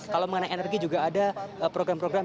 kalau mengenai energi juga ada program program